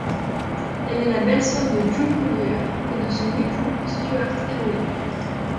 Elle est la belle-sœur de June Collyer et de son époux Stuart Erwin.